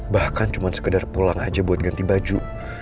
bahkan cuma sekedar pulang aja buat ganti baju